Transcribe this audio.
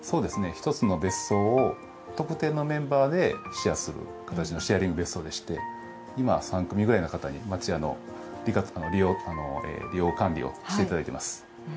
１つの別荘を特定のメンバーでシェアする形のシェアリング別荘でして今、３組ぐらいの方に町家の利用管理をしていただいています。